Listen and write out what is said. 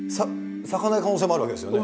咲かない可能性もあるわけですよね。